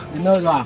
đến nơi rồi à